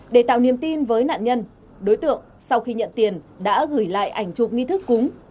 để tạo niềm tin với nạn nhân đối tượng sau khi nhận tiền đã gửi lại ảnh chụp nghi thức cúng